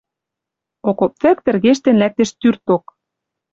Окоп вӹк тӹргештен лӓктеш тюрток